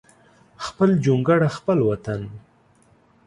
خپل جونګړه خپل وطن